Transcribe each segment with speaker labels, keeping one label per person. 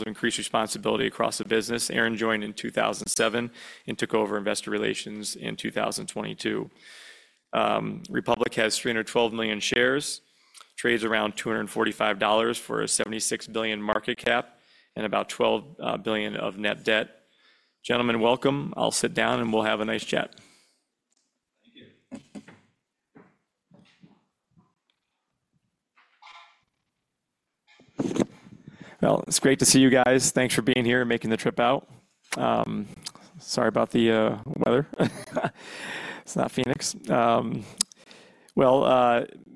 Speaker 1: Of increased responsibility across the business. Aaron joined in 2007 and took over investor relations in 2022. Republic has 312 million shares, trades around $245 for a $76 billion market cap, and about $12 billion of net debt. Gentlemen, welcome. I'll sit down and we'll have a nice chat.
Speaker 2: Thank you. It's great to see you guys. Thanks for being here and making the trip out. Sorry about the weather. It's not Phoenix.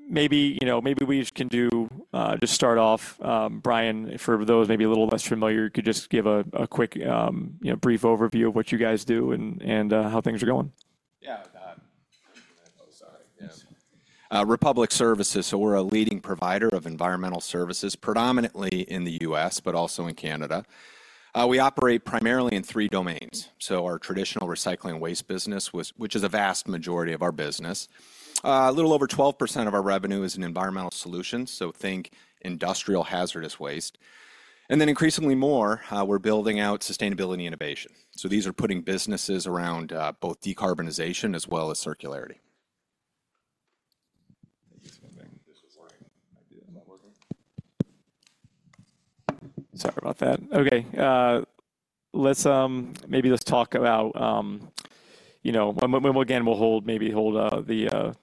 Speaker 2: Maybe we can just start off. Brian, for those maybe a little less familiar, you could just give a quick brief overview of what you guys do and how things are going.
Speaker 3: Yeah. Republic Services, so we're a leading provider of environmental services, predominantly in the U.S., but also in Canada. We operate primarily in three domains. Our traditional recycling waste business, which is a vast majority of our business. A little over 12% of our revenue is in environmental solutions, so think industrial hazardous waste. Increasingly more, we're building out sustainability innovation. These are putting businesses around both decarbonization as well as circularity. Sorry about that. Okay. Maybe let's talk about, again, we'll maybe hold the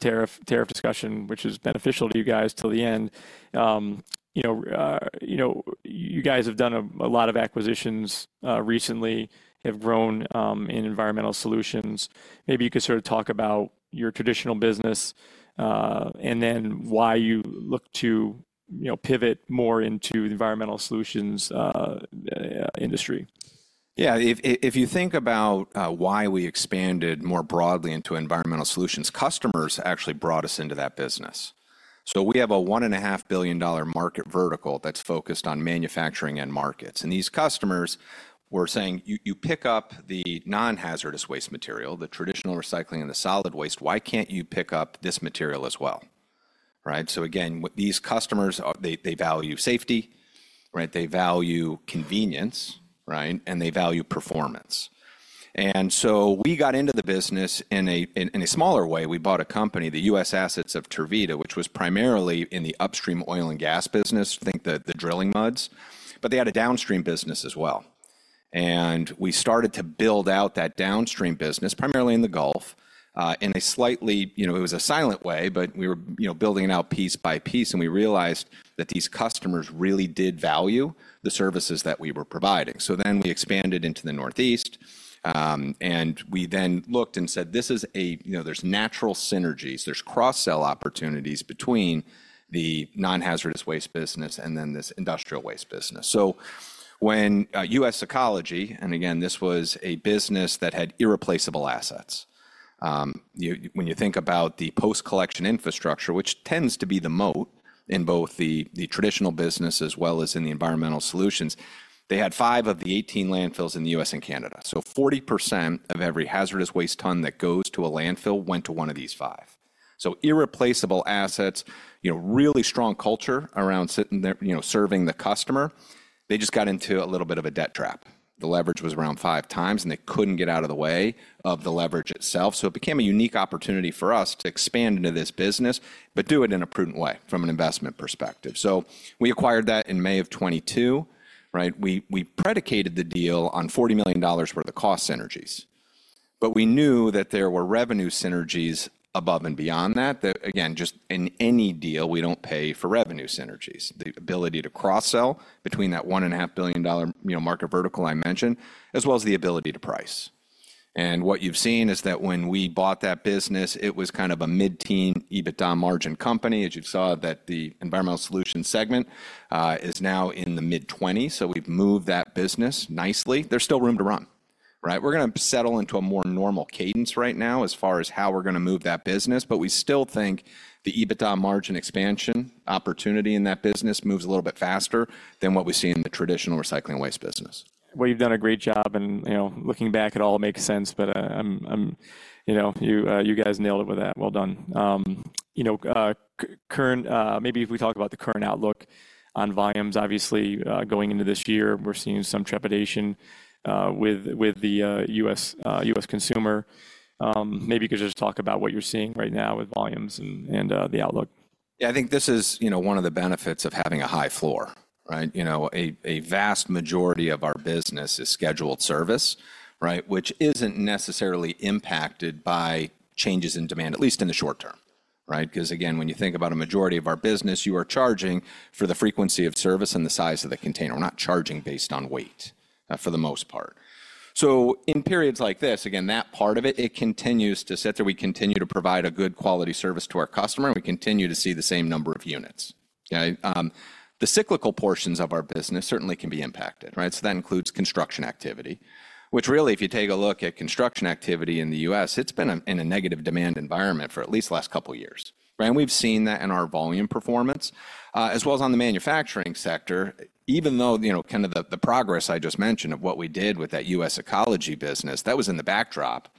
Speaker 3: tariff discussion, which is beneficial to you guys, till the end. You guys have done a lot of acquisitions recently, have grown in environmental solutions. Maybe you could sort of talk about your traditional business and then why you look to pivot more into the environmental solutions industry. Yeah. If you think about why we expanded more broadly into environmental solutions, customers actually brought us into that business. We have a $1.5 billion market vertical that's focused on manufacturing end markets. These customers were saying, "You pick up the non-hazardous waste material, the traditional recycling and the solid waste. Why can't you pick up this material as well?" These customers, they value safety, they value convenience, and they value performance. We got into the business in a smaller way. We bought a company, the US assets of Tervita, which was primarily in the upstream oil and gas business, think the drilling muds. They had a downstream business as well. We started to build out that downstream business, primarily in the Gulf, in a slightly—it was a silent way, but we were building it out piece by piece. We realized that these customers really did value the services that we were providing. We expanded into the Northeast. We then looked and said, "There's natural synergies. There's cross-sell opportunities between the non-hazardous waste business and then this industrial waste business." When US Ecology, and again, this was a business that had irreplaceable assets. When you think about the post-collection infrastructure, which tends to be the moat in both the traditional business as well as in the environmental solutions, they had five of the 18 landfills in the U.S. and Canada. Forty percent of every hazardous waste ton that goes to a landfill went to one of these five. Irreplaceable assets, really strong culture around serving the customer. They just got into a little bit of a debt trap. The leverage was around five times, and they could not get out of the way of the leverage itself. It became a unique opportunity for us to expand into this business, but do it in a prudent way from an investment perspective. We acquired that in May of 2022. We predicated the deal on $40 million worth of cost synergies. We knew that there were revenue synergies above and beyond that. Again, just in any deal, we do not pay for revenue synergies. The ability to cross-sell between that $1.5 billion market vertical I mentioned, as well as the ability to price. What you have seen is that when we bought that business, it was kind of a mid-teen EBITDA margin company. As you saw, the environmental solutions segment is now in the mid-20s. We have moved that business nicely. There is still room to run. We're going to settle into a more normal cadence right now as far as how we're going to move that business. We still think the EBITDA margin expansion opportunity in that business moves a little bit faster than what we see in the traditional recycling waste business. You have done a great job. Looking back at all, it makes sense. You guys nailed it with that. Well done. Maybe if we talk about the current outlook on volumes, obviously, going into this year, we are seeing some trepidation with the U.S. consumer. Maybe you could just talk about what you are seeing right now with volumes and the outlook. Yeah. I think this is one of the benefits of having a high floor. A vast majority of our business is scheduled service, which is not necessarily impacted by changes in demand, at least in the short term. Because again, when you think about a majority of our business, you are charging for the frequency of service and the size of the container. We are not charging based on weight for the most part. In periods like this, that part of it continues to sit there. We continue to provide a good quality service to our customer. We continue to see the same number of units. The cyclical portions of our business certainly can be impacted. That includes construction activity, which really, if you take a look at construction activity in the U.S., it has been in a negative demand environment for at least the last couple of years. We have seen that in our volume performance, as well as on the manufacturing sector, even though kind of the progress I just mentioned of what we did with that US Ecology business, that was in the backdrop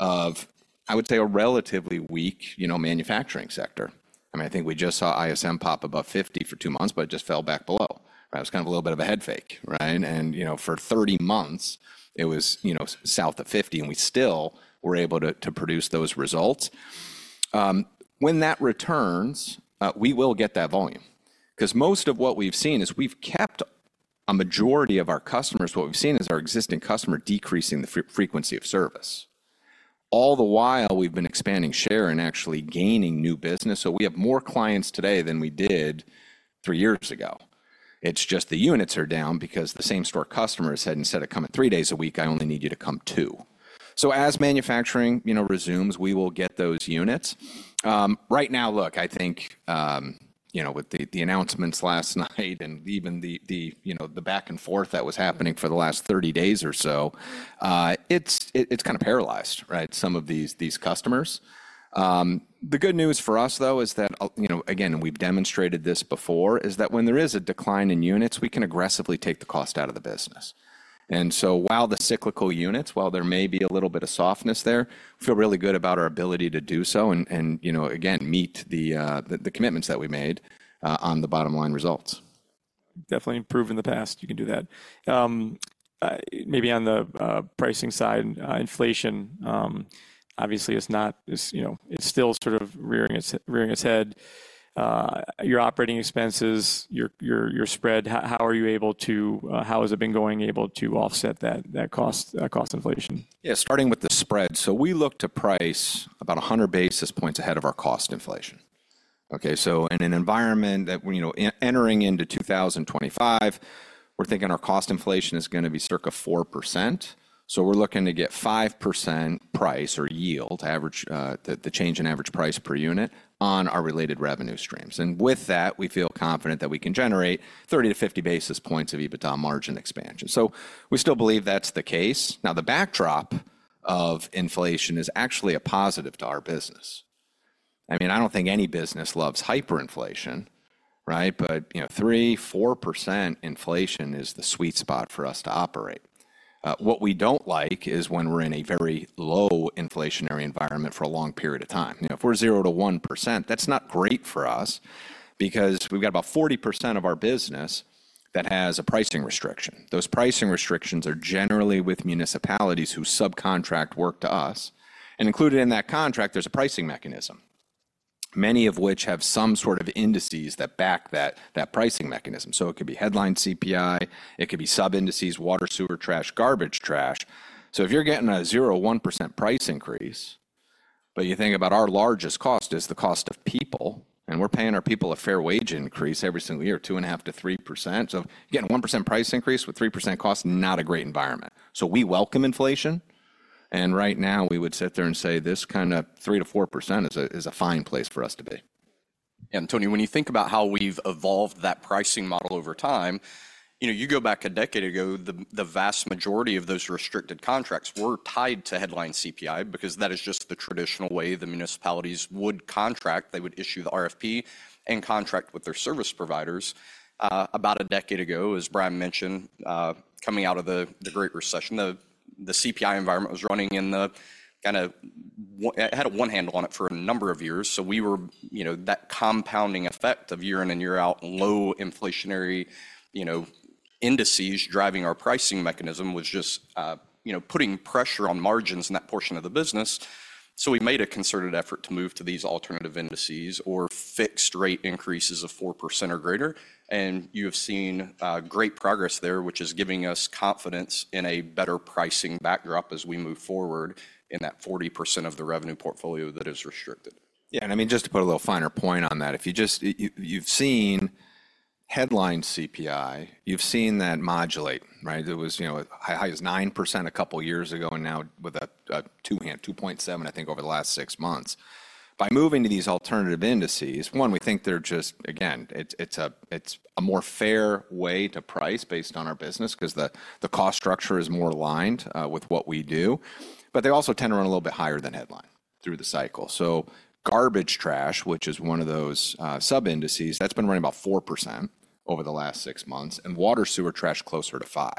Speaker 3: of, I would say, a relatively weak manufacturing sector. I mean, I think we just saw ISM pop above 50 for two months, but it just fell back below. It was kind of a little bit of a head fake. For 30 months, it was south of 50, and we still were able to produce those results. When that returns, we will get that volume. Because most of what we have seen is we have kept a majority of our customers. What we have seen is our existing customer decreasing the frequency of service. All the while, we have been expanding share and actually gaining new business. We have more clients today than we did three years ago. It's just the units are down because the same store customers said, "Instead of coming three days a week, I only need you to come two." As manufacturing resumes, we will get those units. Right now, look, I think with the announcements last night and even the back and forth that was happening for the last 30 days or so, it's kind of paralyzed some of these customers. The good news for us, though, is that, again, we've demonstrated this before, is that when there is a decline in units, we can aggressively take the cost out of the business. While the cyclical units, while there may be a little bit of softness there, feel really good about our ability to do so and, again, meet the commitments that we made on the bottom line results. Definitely improved in the past. You can do that. Maybe on the pricing side, inflation, obviously, it's still sort of rearing its head. Your operating expenses, your spread, how are you able to—how has it been going able to offset that cost inflation? Yeah. Starting with the spread, we look to price about 100 basis points ahead of our cost inflation. In an environment that we're entering into 2025, we're thinking our cost inflation is going to be circa 4%. We're looking to get 5% price or yield, the change in average price per unit on our related revenue streams. With that, we feel confident that we can generate 30-50 basis points of EBITDA margin expansion. We still believe that's the case. Now, the backdrop of inflation is actually a positive to our business. I mean, I don't think any business loves hyperinflation, but 3%-4% inflation is the sweet spot for us to operate. What we don't like is when we're in a very low inflationary environment for a long period of time. If we're 0-1%, that's not great for us because we've got about 40% of our business that has a pricing restriction. Those pricing restrictions are generally with municipalities who subcontract work to us. Included in that contract, there's a pricing mechanism, many of which have some sort of indices that back that pricing mechanism. It could be headline CPI. It could be sub-indices, Water, Sewer, Trash, Garbage Trash. If you're getting a 0-1% price increase, but you think about our largest cost is the cost of people, and we're paying our people a fair wage increase every single year, 2.5-3%. Getting a 1% price increase with 3% cost, not a great environment. We welcome inflation. Right now, we would sit there and say this kind of 3-4% is a fine place for us to be. Yeah. When you think about how we've evolved that pricing model over time, you go back a decade ago, the vast majority of those restricted contracts were tied to headline CPI because that is just the traditional way the municipalities would contract. They would issue the RFP and contract with their service providers. About a decade ago, as Brian mentioned, coming out of the Great Recession, the CPI environment was running in the kind of—it had a one-handle on it for a number of years. That compounding effect of year in and year out, low inflationary indices driving our pricing mechanism was just putting pressure on margins in that portion of the business. We made a concerted effort to move to these alternative indices or fixed rate increases of 4% or greater. You have seen great progress there, which is giving us confidence in a better pricing backdrop as we move forward in that 40% of the revenue portfolio that is restricted. Yeah. I mean, just to put a little finer point on that, if you've seen headline CPI, you've seen that modulate. It was as high as 9% a couple of years ago and now with a 2.7%, I think, over the last six months. By moving to these alternative indices, one, we think they're just, again, it's a more fair way to price based on our business because the cost structure is more aligned with what we do. They also tend to run a little bit higher than headline through the cycle. Garbage Trash, which is one of those sub-indices, that's been running about 4% over the last six months, and Water, Sewer, Trash closer to 5%.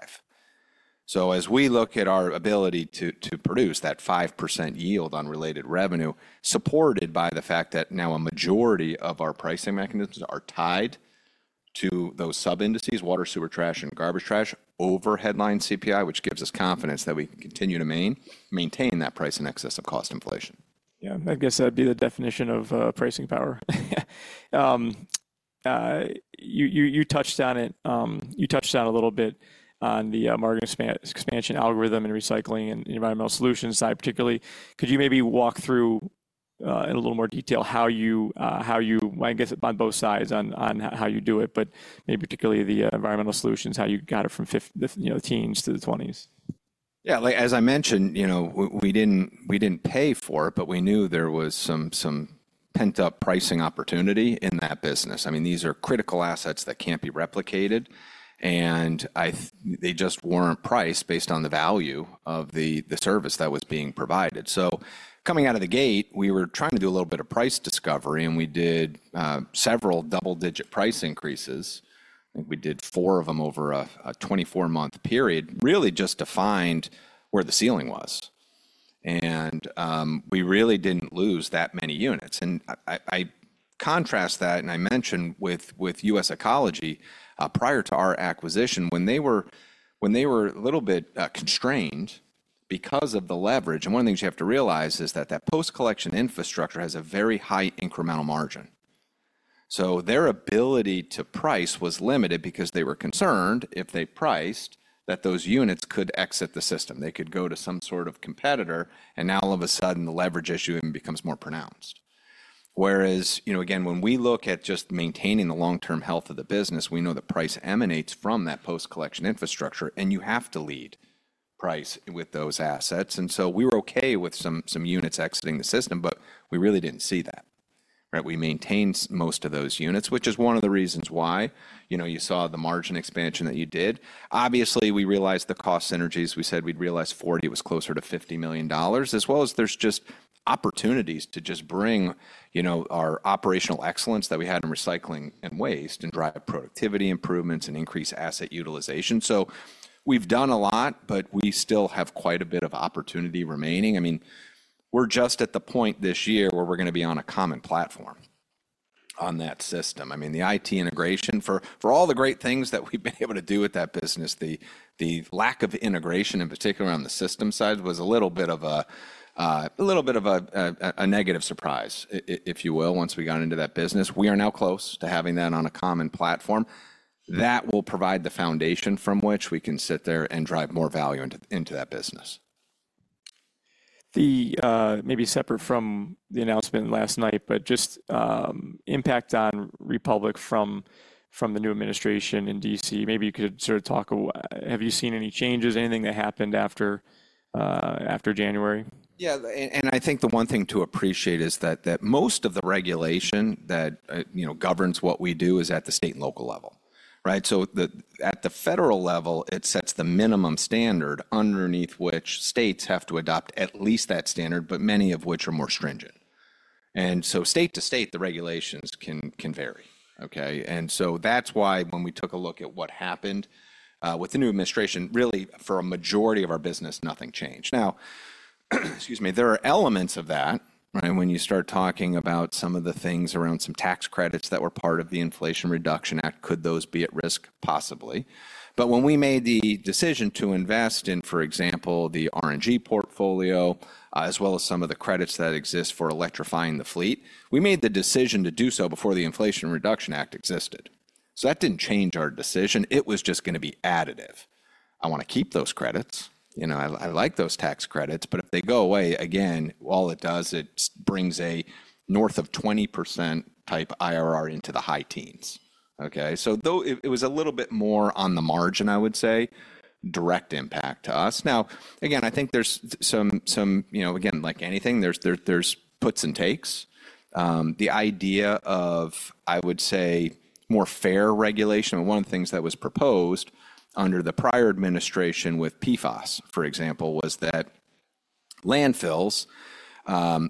Speaker 3: As we look at our ability to produce that 5% yield on related revenue, supported by the fact that now a majority of our pricing mechanisms are tied to those sub-indices, Water, Sewer, Trash, and Garbage Trash over headline CPI, which gives us confidence that we can continue to maintain that price in excess of cost inflation. Yeah. I guess that'd be the definition of pricing power. You touched on it. You touched on a little bit on the market expansion algorithm and recycling and environmental solutions side, particularly. Could you maybe walk through in a little more detail how you, I guess, on both sides on how you do it, but maybe particularly the environmental solutions, how you got it from the teens to the 20s? Yeah. As I mentioned, we did not pay for it, but we knew there was some pent-up pricing opportunity in that business. I mean, these are critical assets that cannot be replicated. They just were not priced based on the value of the service that was being provided. Coming out of the gate, we were trying to do a little bit of price discovery, and we did several double-digit price increases. I think we did four of them over a 24-month period, really just to find where the ceiling was. We really did not lose that many units. I contrast that, and I mentioned with US Ecology, prior to our acquisition, when they were a little bit constrained because of the leverage. One of the things you have to realize is that that post-collection infrastructure has a very high incremental margin. Their ability to price was limited because they were concerned if they priced that those units could exit the system. They could go to some sort of competitor. Now, all of a sudden, the leverage issue becomes more pronounced. Again, when we look at just maintaining the long-term health of the business, we know the price emanates from that post-collection infrastructure, and you have to lead price with those assets. We were okay with some units exiting the system, but we really didn't see that. We maintained most of those units, which is one of the reasons why you saw the margin expansion that you did. Obviously, we realized the cost synergies. We said we'd realized 40 was closer to $50 million, as well as there's just opportunities to just bring our operational excellence that we had in recycling and waste and drive productivity improvements and increase asset utilization. We have done a lot, but we still have quite a bit of opportunity remaining. I mean, we're just at the point this year where we're going to be on a common platform on that system. I mean, the IT integration for all the great things that we've been able to do with that business, the lack of integration, in particular on the system side, was a little bit of a negative surprise, if you will, once we got into that business. We are now close to having that on a common platform that will provide the foundation from which we can sit there and drive more value into that business. Maybe separate from the announcement last night, but just impact on Republic from the new administration in D.C., maybe you could sort of talk. Have you seen any changes, anything that happened after January? Yeah. I think the one thing to appreciate is that most of the regulation that governs what we do is at the state and local level. At the federal level, it sets the minimum standard underneath which states have to adopt at least that standard, but many of which are more stringent. State to state, the regulations can vary. That is why when we took a look at what happened with the new administration, really for a majority of our business, nothing changed. Now, excuse me, there are elements of that when you start talking about some of the things around some tax credits that were part of the Inflation Reduction Act. Could those be at risk? Possibly. When we made the decision to invest in, for example, the RNG portfolio, as well as some of the credits that exist for electrifying the fleet, we made the decision to do so before the Inflation Reduction Act existed. That did not change our decision. It was just going to be additive. I want to keep those credits. I like those tax credits, but if they go away, again, all it does, it brings a north of 20% type IRR into the high teens. It was a little bit more on the margin, I would say, direct impact to us. Now, again, I think there is some, again, like anything, there are puts and takes. The idea of, I would say, more fair regulation. One of the things that was proposed under the prior administration with PFAS, for example, was that landfills,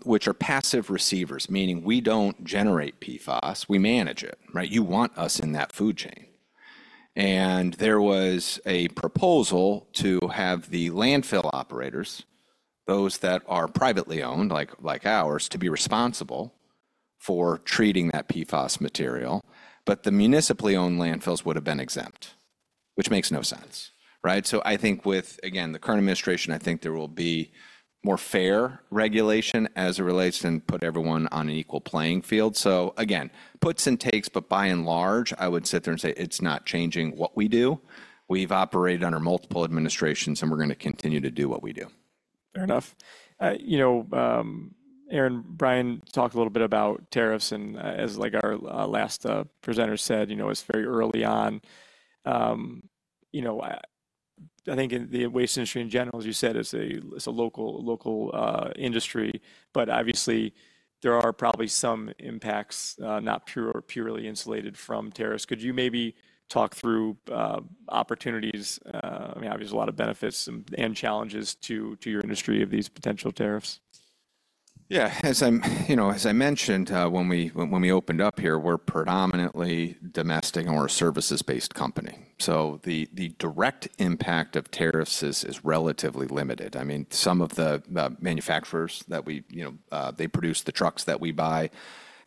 Speaker 3: which are passive receivers, meaning we don't generate PFAS, we manage it. You want us in that food chain. There was a proposal to have the landfill operators, those that are privately owned like ours, to be responsible for treating that PFAS material. The municipally owned landfills would have been exempt, which makes no sense. I think with, again, the current administration, I think there will be more fair regulation as it relates and put everyone on an equal playing field. Again, puts and takes, but by and large, I would sit there and say it's not changing what we do. We've operated under multiple administrations, and we're going to continue to do what we do. Fair enough. Aaron, Brian talked a little bit about tariffs. As our last presenter said, it's very early on. I think the waste industry in general, as you said, it's a local industry. Obviously, there are probably some impacts not purely insulated from tariffs. Could you maybe talk through opportunities? I mean, obviously, there's a lot of benefits and challenges to your industry of these potential tariffs. Yeah. As I mentioned, when we opened up here, we're predominantly domestic and we're a services-based company. The direct impact of tariffs is relatively limited. I mean, some of the manufacturers that we produce, the trucks that we buy,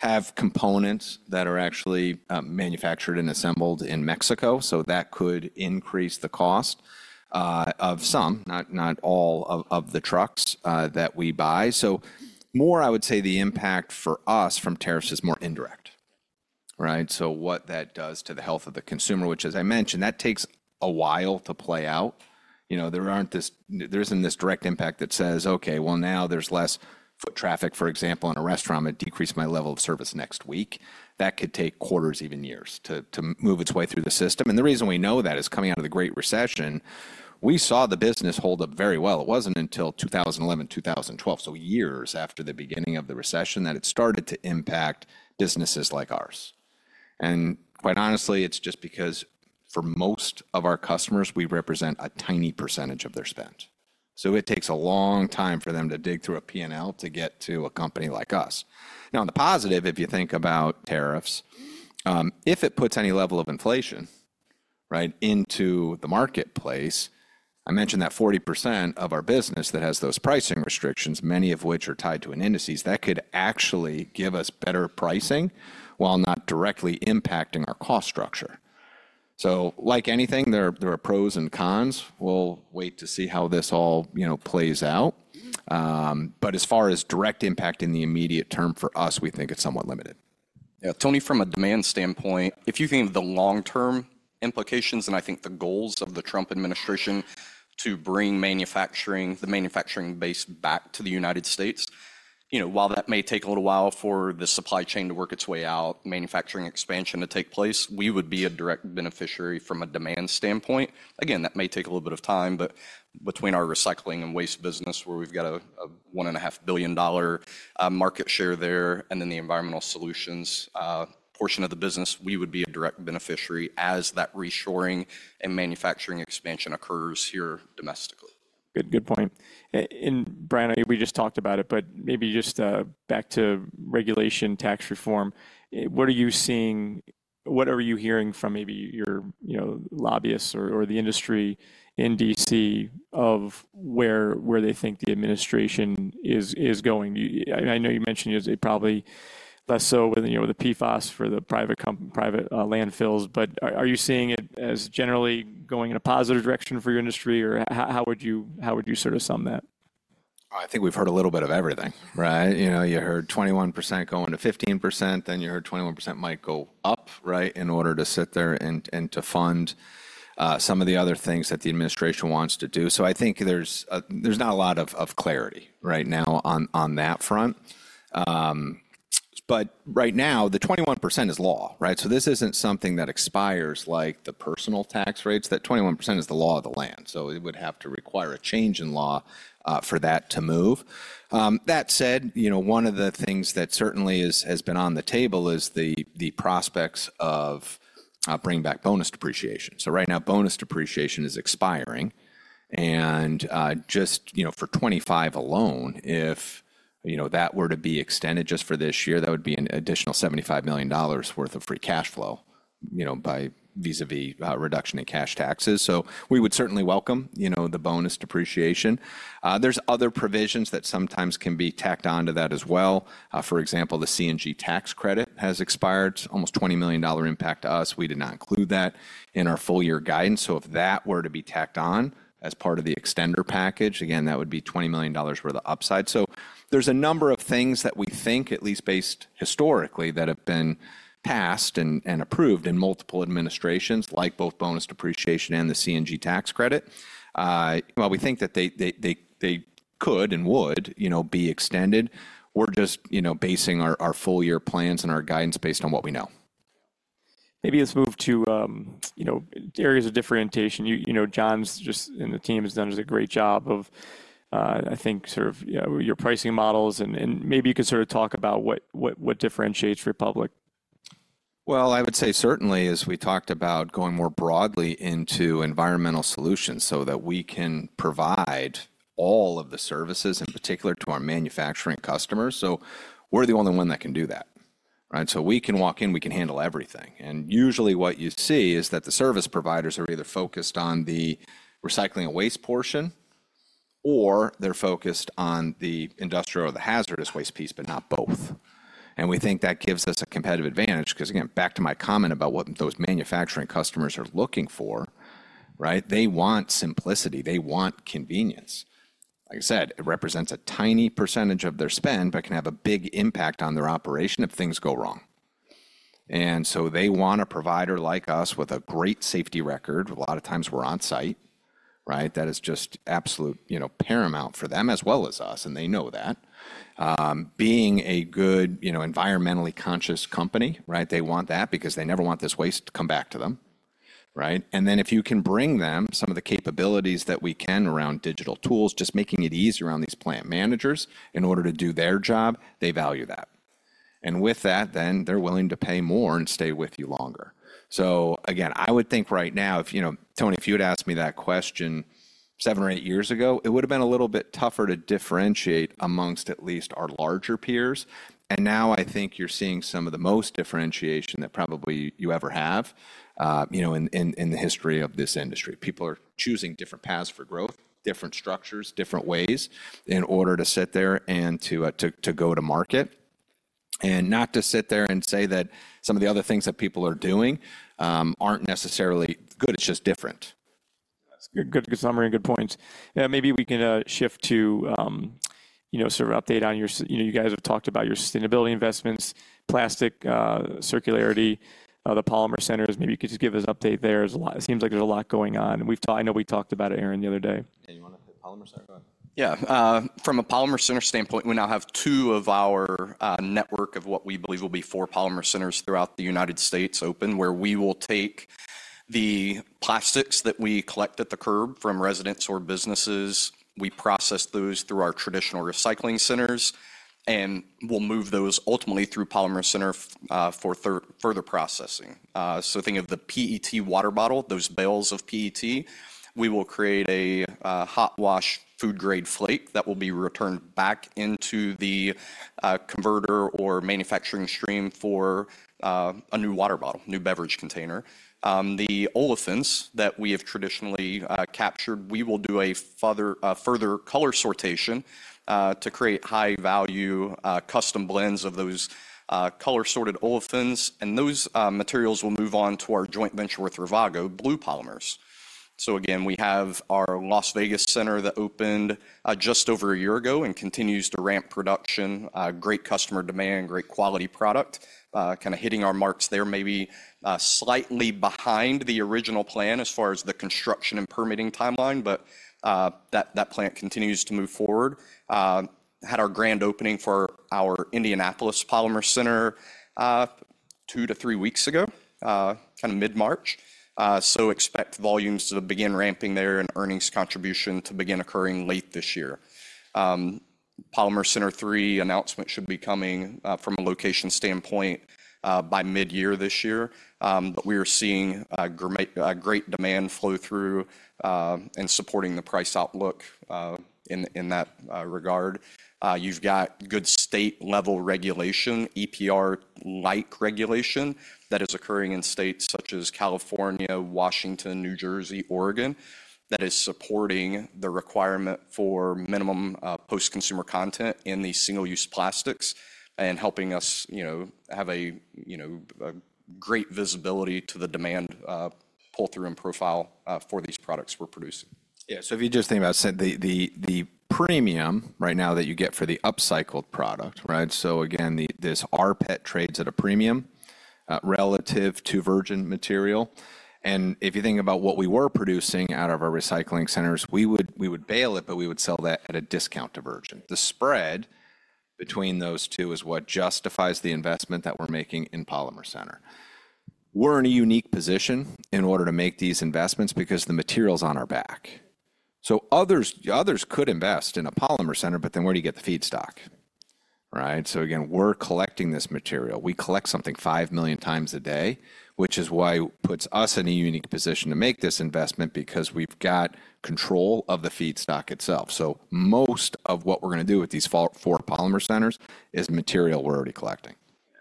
Speaker 3: have components that are actually manufactured and assembled in Mexico. That could increase the cost of some, not all of the trucks that we buy. More, I would say the impact for us from tariffs is more indirect. What that does to the health of the consumer, which, as I mentioned, that takes a while to play out. There isn't this direct impact that says, "Okay, now there's less foot traffic, for example, in a restaurant. I'm going to decrease my level of service next week." That could take quarters, even years, to move its way through the system. The reason we know that is coming out of the Great Recession. We saw the business hold up very well. It was not until 2011, 2012, so years after the beginning of the recession that it started to impact businesses like ours. Quite honestly, it is just because for most of our customers, we represent a tiny percentage of their spend. It takes a long time for them to dig through a P&L to get to a company like us. Now, on the positive, if you think about tariffs, if it puts any level of inflation into the marketplace, I mentioned that 40% of our business that has those pricing restrictions, many of which are tied to an indices that could actually give us better pricing while not directly impacting our cost structure. Like anything, there are pros and cons. We'll wait to see how this all plays out. As far as direct impact in the immediate term for us, we think it's somewhat limited. Yeah. Tony, from a demand standpoint, if you think of the long-term implications and I think the goals of the Trump administration to bring the manufacturing base back to the United States, while that may take a little while for the supply chain to work its way out, manufacturing expansion to take place, we would be a direct beneficiary from a demand standpoint. Again, that may take a little bit of time, but between our recycling and waste business, where we've got a $1.5 billion market share there, and then the environmental solutions portion of the business, we would be a direct beneficiary as that reshoring and manufacturing expansion occurs here domestically.
Speaker 4: Good point. Brian, we just talked about it, but maybe just back to regulation, tax reform. What are you seeing? What are you hearing from maybe your lobbyists or the industry in D.C. of where they think the administration is going? I know you mentioned it's probably less so with the PFAS for the private landfills, but are you seeing it as generally going in a positive direction for your industry? How would you sort of sum that?
Speaker 3: I think we've heard a little bit of everything. You heard 21% going to 15%, then you heard 21% might go up in order to sit there and to fund some of the other things that the administration wants to do. I think there's not a lot of clarity right now on that front. Right now, the 21% is law. This isn't something that expires like the personal tax rates. That 21% is the law of the land. It would have to require a change in law for that to move. That said, one of the things that certainly has been on the table is the prospects of bringing back bonus depreciation. Right now, bonus depreciation is expiring. Just for 2025 alone, if that were to be extended just for this year, that would be an additional $75 million worth of free cash flow vis-à-vis reduction in cash taxes. We would certainly welcome the bonus depreciation. There are other provisions that sometimes can be tacked on to that as well. For example, the CNG tax credit has expired, almost $20 million impact to us. We did not include that in our full-year guidance. If that were to be tacked on as part of the extender package, again, that would be $20 million worth of upside. There are a number of things that we think, at least based historically, that have been passed and approved in multiple administrations, like both bonus depreciation and the CNG tax credit. While we think that they could and would be extended, we're just basing our full-year plans and our guidance based on what we know. Maybe let's move to areas of differentiation. Jon's just in the team has done a great job of, I think, sort of your pricing models. And maybe you could sort of talk about what differentiates Republic. I would say certainly, as we talked about going more broadly into environmental solutions so that we can provide all of the services, in particular to our manufacturing customers. We are the only one that can do that. We can walk in, we can handle everything. Usually, what you see is that the service providers are either focused on the recycling and waste portion, or they are focused on the industrial or the hazardous waste piece, but not both. We think that gives us a competitive advantage. Again, back to my comment about what those manufacturing customers are looking for, they want simplicity. They want convenience. Like I said, it represents a tiny percentage of their spend, but can have a big impact on their operation if things go wrong. They want a provider like us with a great safety record. A lot of times, we're on site. That is just absolute paramount for them as well as us, and they know that. Being a good environmentally conscious company, they want that because they never want this waste to come back to them. If you can bring them some of the capabilities that we can around digital tools, just making it easier around these plant managers in order to do their job, they value that. With that, they are willing to pay more and stay with you longer. I would think right now, Tony, if you had asked me that question seven or eight years ago, it would have been a little bit tougher to differentiate amongst at least our larger peers. Now I think you're seeing some of the most differentiation that probably you ever have in the history of this industry. People are choosing different paths for growth, different structures, different ways in order to sit there and to go to market. Not to sit there and say that some of the other things that people are doing are not necessarily good, it is just different. That's a good summary and good points. Maybe we can shift to sort of an update on your, you guys have talked about your sustainability investments, plastic circularity, the polymer centers. Maybe you could just give us an update there. It seems like there's a lot going on. I know we talked about it, Aaron, the other day.
Speaker 2: Yeah. You want to hit polymers? Sorry, go ahead. Yeah. From a polymer center standpoint, we now have two of our network of what we believe will be four polymer centers throughout the United States open where we will take the plastics that we collect at the curb from residents or businesses. We process those through our traditional recycling centers, and we will move those ultimately through polymer center for further processing. Think of the PET water bottle, those bales of PET. We will create a hot wash food-grade flake that will be returned back into the converter or manufacturing stream for a new water bottle, new beverage container. The olefins that we have traditionally captured, we will do a further color sortation to create high-value custom blends of those color-sorted olefins. Those materials will move on to our joint venture with Ravago, Blue Polymers. We have our Las Vegas center that opened just over a year ago and continues to ramp production. Great customer demand, great quality product, kind of hitting our marks there, maybe slightly behind the original plan as far as the construction and permitting timeline, but that plant continues to move forward. Had our grand opening for our Indianapolis Polymer Center two to three weeks ago, kind of mid-March. Expect volumes to begin ramping there and earnings contribution to begin occurring late this year. Polymer Center Three announcement should be coming from a location standpoint by mid-year this year. We are seeing great demand flow through and supporting the price outlook in that regard. You've got good state-level regulation, EPR-like regulation that is occurring in states such as California, Washington, New Jersey, Oregon that is supporting the requirement for minimum post-consumer content in these single-use plastics and helping us have a great visibility to the demand pull-through and profile for these products we're producing. Yeah. If you just think about the premium right now that you get for the upcycled product. Again, this rPET trades at a premium relative to virgin material. If you think about what we were producing out of our recycling centers, we would bale it, but we would sell that at a discount to virgin. The spread between those two is what justifies the investment that we're making in polymer center. We're in a unique position in order to make these investments because the material's on our back. Others could invest in a polymer center, but then where do you get the feedstock? Again, we're collecting this material. We collect something five million times a day, which is why it puts us in a unique position to make this investment because we've got control of the feedstock itself. Most of what we're going to do with these four polymer centers is material we're already collecting.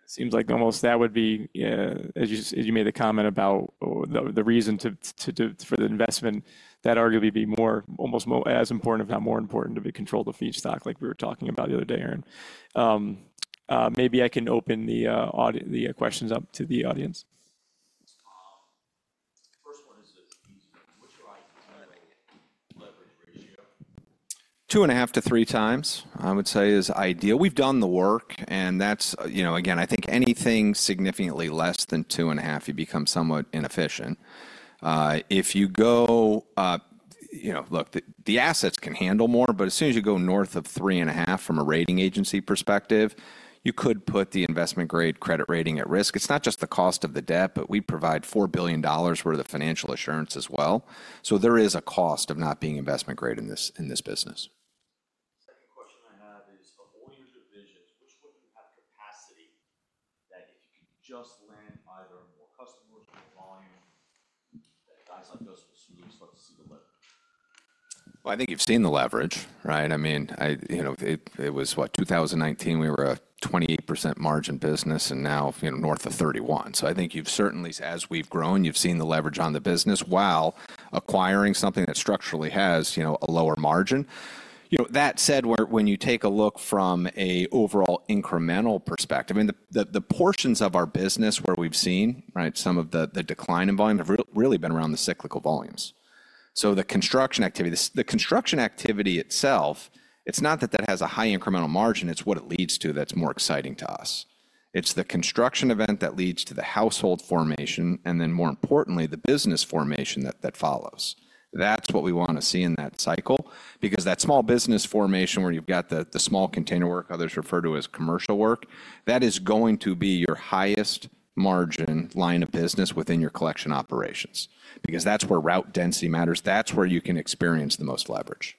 Speaker 2: Seems like almost that would be, as you made the comment about the reason for the investment, that arguably be almost as important if not more important to be control of the feedstock like we were talking about the other day, Aaron. Maybe I can open the questions up to the audience.
Speaker 5: First one is the feedstock. What's your ideal leverage ratio?
Speaker 3: Two and a half to three times, I would say, is ideal. We've done the work. I think anything significantly less than two and a half, you become somewhat inefficient. If you go, look, the assets can handle more, but as soon as you go north of three and a half from a rating agency perspective, you could put the investment-grade credit rating at risk. It's not just the cost of the debt, but we provide $4 billion worth of financial assurance as well. There is a cost of not being investment-grade in this business.
Speaker 5: Second question I have is, of all your divisions, which one do you have capacity that if you could just land either more customers, more volume, that guys like us will soon start to see the leverage?
Speaker 3: I think you've seen the leverage. I mean, it was what, 2019, we were a 28% margin business, and now north of 31%. I think you've certainly, as we've grown, you've seen the leverage on the business while acquiring something that structurally has a lower margin. That said, when you take a look from an overall incremental perspective, I mean, the portions of our business where we've seen some of the decline in volume have really been around the cyclical volumes. The construction activity, the construction activity itself, it's not that that has a high incremental margin, it's what it leads to that's more exciting to us. It's the construction event that leads to the household formation, and then more importantly, the business formation that follows. That's what we want to see in that cycle because that small business formation where you've got the small container work, others refer to as commercial work, that is going to be your highest margin line of business within your collection operations because that's where route density matters. That's where you can experience the most leverage.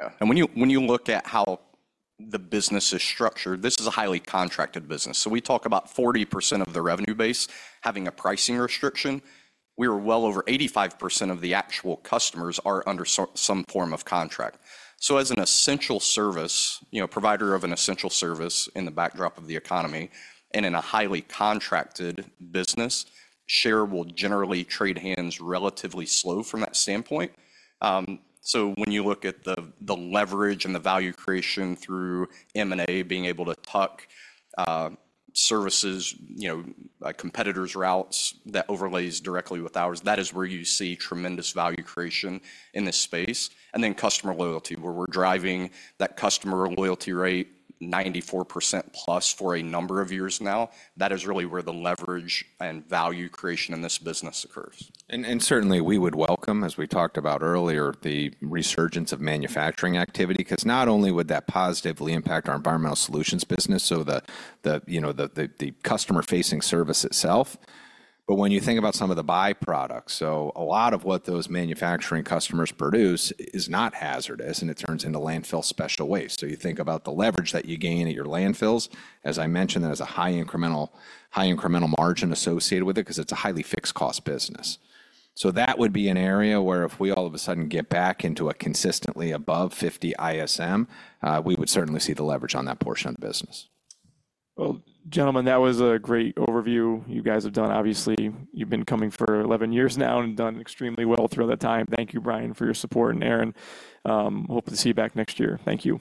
Speaker 3: Yeah. When you look at how the business is structured, this is a highly contracted business. We talk about 40% of the revenue base having a pricing restriction. We are well over 85% of the actual customers are under some form of contract. As a provider of an essential service in the backdrop of the economy and in a highly contracted business, share will generally trade hands relatively slow from that standpoint. When you look at the leverage and the value creation through M&A, being able to tuck services, competitors' routes that overlays directly with ours, that is where you see tremendous value creation in this space. Customer loyalty, where we're driving that customer loyalty rate 94% plus for a number of years now, that is really where the leverage and value creation in this business occurs. Certainly, we would welcome, as we talked about earlier, the resurgence of manufacturing activity because not only would that positively impact our environmental solutions business, so the customer-facing service itself, but when you think about some of the byproducts, a lot of what those manufacturing customers produce is not hazardous, and it turns into landfill special waste. You think about the leverage that you gain at your landfills. As I mentioned, there is a high incremental margin associated with it because it is a highly fixed-cost business. That would be an area where if we all of a sudden get back into a consistently above 50 ISM, we would certainly see the leverage on that portion of the business. Gentlemen, that was a great overview you guys have done. Obviously, you've been coming for 11 years now and done extremely well throughout that time. Thank you, Brian, for your support, and Aaron. Hope to see you back next year. Thank you.